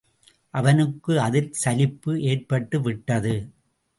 அவனுக்கு அதில் சலிப்பு ஏற்பட்டுவிட்டது.